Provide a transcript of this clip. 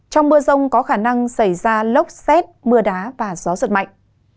trong mưa rông có khả năng xảy ra lốc xét mưa đá và gió giật mạnh